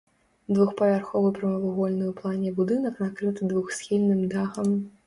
Двухпавярховы прамавугольны ў плане будынак накрыты двухсхільным дахам.